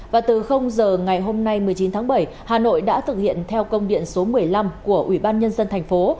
và từ giờ ngày hôm nay một mươi chín tháng bảy hà nội đã thực hiện theo công điện số một mươi năm của ủy ban nhân dân thành phố